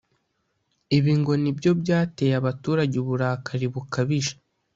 Ibi ngo nibyo byateye abaturage uburakari bukabije